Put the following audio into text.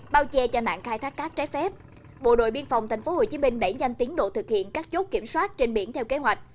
bao che cho nạn khai thác các trái phép